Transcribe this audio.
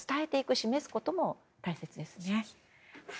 示すことも大切ですね。